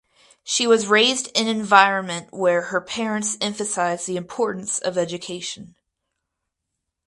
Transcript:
She was raised an environment where her parents emphasized the importance of education.